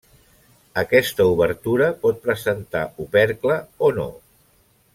Aquesta obertura pot presentar opercle o no.